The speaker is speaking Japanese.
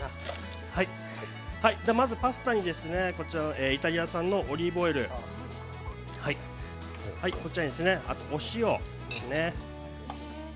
まずパスタにこちらのイタリア産のオリーブオイル、こちらにお塩。